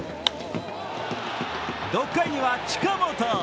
６回には近本。